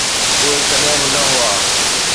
اهي ڪڏهن به نه هئا.